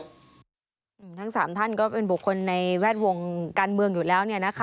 ทั้งสามท่านก็เป็นบุคคลในแวดวงการเมืองอยู่แล้ว